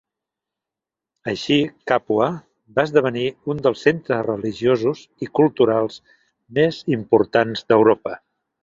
Així Càpua va esdevenir un dels centres religiosos i culturals més importants d'Europa.